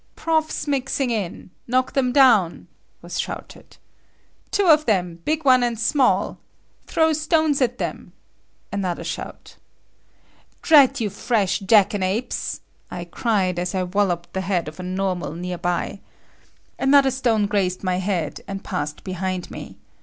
"Profs mixing in!" "Knock them down!" was shouted. "Two of them; big one and small. Throw stones at them!" Another shout. "Drat you fresh jackanapes!" I cried as I wallopped the head of a normal nearby. Another stone grazed my head, and passed behind me.